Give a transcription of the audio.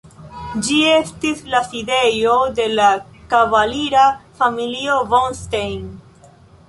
Ĝi estis la sidejo de la kavalira familio von Stein.